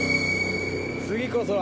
次こそは。